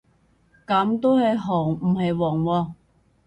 噉都係紅唔係黃喎